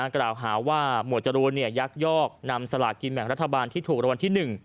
กล่าวหาว่าหมวดจรูนยักยอกนำสลากกินแบ่งรัฐบาลที่ถูกรางวัลที่๑